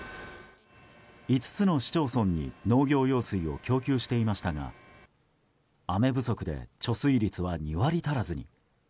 ５つの市町村に農業用水を供給していましたが雨不足で貯水率は２割足らずに。